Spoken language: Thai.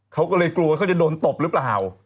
ก็เลยกลัวว่ากลัวว่าบ้างหรือเปล่า